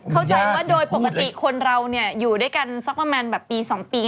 เข้าใจว่าโดยปกติคนเราอยู่ด้วยกันสักประมาณแบบปี๒ปี